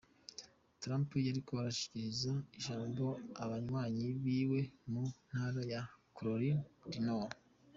Trump yariko arashikiriza ijambo abanywanyi biwe mu ntara ya Caroline du Nord.